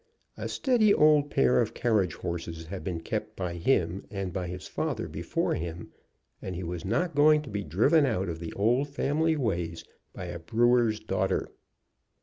A steady old pair of carriage horses had been kept by him, and by his father before him, and he was not going to be driven out of the old family ways by a brewer's daughter.